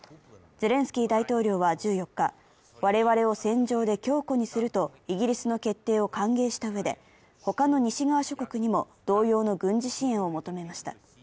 ゼレンスキー大統領は１４日、我々を戦場で強固にするとイギリスの決定を歓迎したうえで他の西側諸国にも同様の軍事支援を求めました。